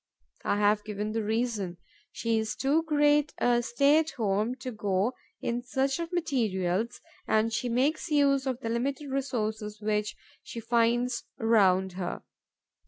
I have given the reason: she is too great a stay at home to go in search of materials and she makes use of the limited resources which she finds around her.